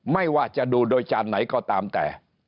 ไม่ว่าจะดูโดยจานไหนก็ตามแต่